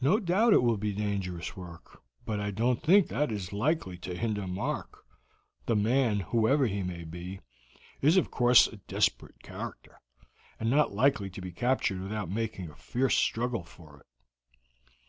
"No doubt it will be dangerous work, but I don't think that that is likely to hinder Mark. The man, whoever he may be, is of course a desperate character, and not likely to be captured without making a fierce struggle for it."